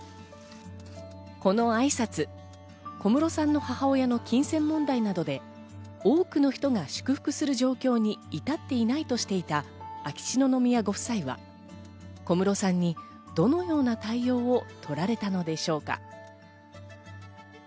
この挨拶、小室さんの母親の金銭問題などで多くの人が祝福する状況に至っていないとしていた秋篠宮ご夫妻は、小室さんにどのような対応を取られたのでしょうか？